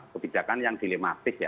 kebijakan yang dilematis ya